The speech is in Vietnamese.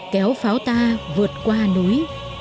kéo pháo ta vượt qua núi